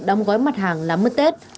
đóng gói mặt hàng làm mứt tết